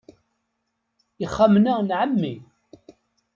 Ixxamen-a n ɛemmi.